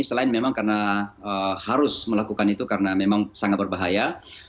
selain memang karena harus melakukan itu karena memang sangat berbahaya